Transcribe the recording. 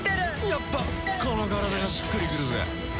やっぱこの体がしっくりくるぜ。